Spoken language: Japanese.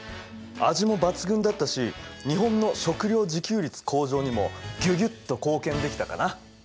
味も抜群だったし日本の食料自給率向上にもギュギュッと貢献できたかな。